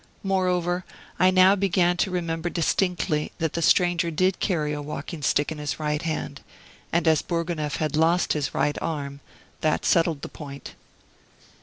Moreover, I now began to remember distinctly that the stranger did carry a walking stick in his right hand; and as Bourgonef had lost his right arm, that settled the point.